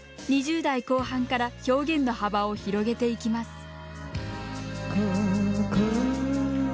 ２０代後半から表現の幅を広げていきます。